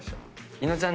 伊野尾ちゃん